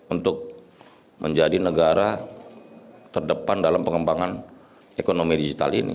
untuk menjadi negara terdepan dalam pengembangan ekonomi digital ini